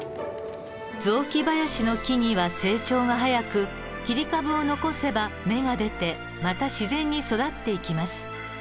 雑木林の木々は成長が早く切り株を残せば芽が出てまた自然に育っていきます。